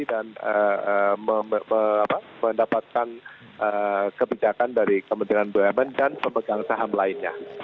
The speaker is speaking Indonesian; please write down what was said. dan mendapatkan kebijakan dari pemerintahan bumn dan pemegang saham lainnya